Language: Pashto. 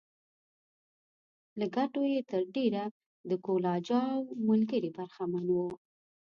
له ګټو یې تر ډېره د کهول اجاو ملګري برخمن وو